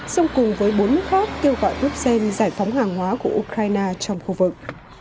song cùng với bốn nước khác kêu gọi rút xem giải phóng hàng hóa của ukraine trong khu vực